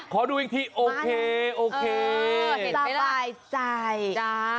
ขอดูอีกทีโอเค